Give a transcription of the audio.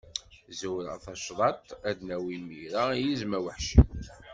Zzewreɣ tacḍaṭ, ad d-nawi mira, i yizem aweḥci.